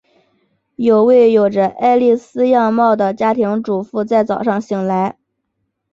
有位有着艾莉丝样貌的家庭主妇在早上醒来。